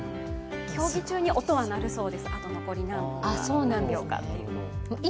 競技中に音が鳴るそうです、あと何秒かは。